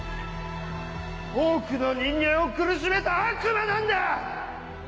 多くの人間を苦しめた悪魔なんだ！